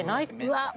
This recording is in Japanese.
うわっ